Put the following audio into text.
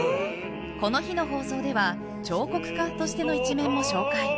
この日の放送では彫刻家としての一面も紹介。